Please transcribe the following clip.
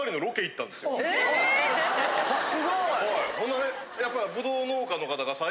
すごい。